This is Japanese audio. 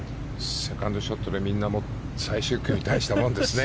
セカンドショットでみんな最終組、大したもんですね。